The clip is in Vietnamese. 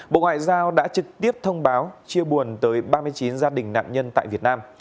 bộ ngoại giao đã trực tiếp thông báo chia buồn tới ba mươi chín gia đình nạn nhân tại việt nam